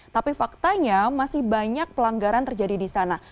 tapi faktanya masih banyak pelanggaran terjadi di sana